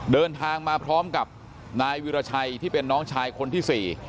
เดินทางมาพร้อมกับนายวิราชัยที่เป็นน้องชายคนที่๔